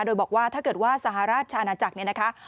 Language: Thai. โดยบอกว่าถ้าเกิดว่าสหราชอาณาจักรเนี่ยนะคะ